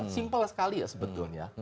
simpel sekali ya sebetulnya